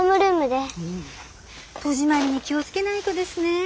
戸締まりに気を付けないとですね。